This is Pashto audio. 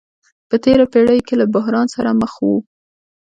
په تېره پېړۍ کې له بحران سره مخ وو.